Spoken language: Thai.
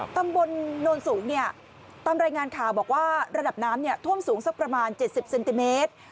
ตำบลโนนสูงเนี่ยตามรายงานข่าวบอกว่าระดับน้ำท่วมสูงสักประมาณ๗๐เซนติเมตร